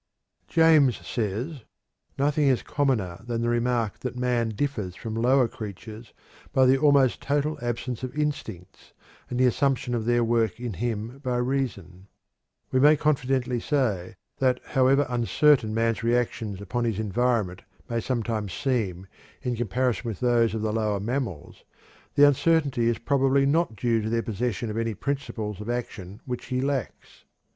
James says: "Nothing is commoner than the remark that man differs from lower creatures by the almost total absence of instincts, and the assumption of their work in him by reason. We may confidently say that however uncertain man's reactions upon his environment may sometimes seem in comparison with those of the lower mammals, the uncertainty is probably not due to their possession of any principles of action which he lacks.